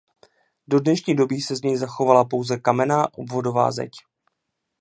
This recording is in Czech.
Do dnešní doby se z něj zachovala pouze kamenná obvodová zeď.